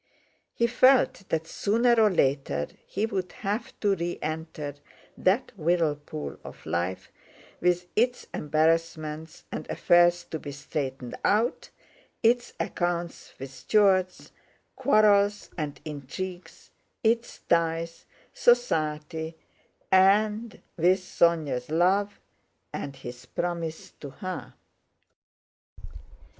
He felt that sooner or later he would have to re enter that whirlpool of life, with its embarrassments and affairs to be straightened out, its accounts with stewards, quarrels, and intrigues, its ties, society, and with Sónya's love and his promise to her.